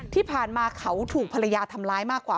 ที่ผ่านมาเขาถูกภรรยาทำร้ายมากกว่า